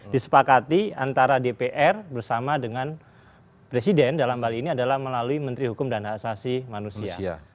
disepakati antara dpr bersama dengan presiden dalam hal ini adalah melalui menteri hukum dan hak asasi manusia